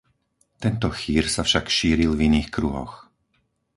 Tento chýr sa však šíril v iných kruhoch.